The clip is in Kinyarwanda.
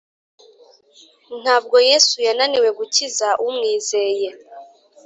Ntabwo yesu yananiwe gukiza umwizeye